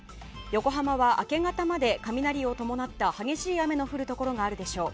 横浜は明け方まで雷を伴った激しい雨のところがあるでしょう。